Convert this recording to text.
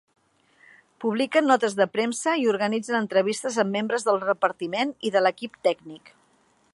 Publiquen notes de premsa i organitzen entrevistes amb membres del repartiment i de l'equip tècnic.